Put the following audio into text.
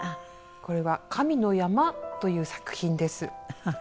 これは『かみのやま』という作品です。